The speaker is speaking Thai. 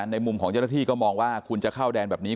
ในมุมของเจ้าหน้าที่ก็มองว่าคุณจะเข้าแดนแบบนี้